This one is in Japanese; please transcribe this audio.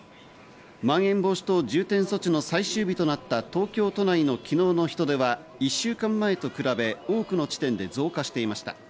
まん延防止等重点措置の最終日となった東京都内の昨日の人出は１週間前と比べ多くの地点で増加していました。